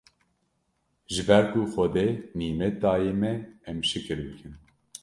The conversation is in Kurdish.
ji ber ku Xwedê nîmet daye me em şikir bikin